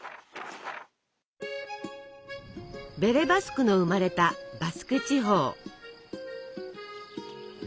ベレ・バスクの生まれたバスク地方。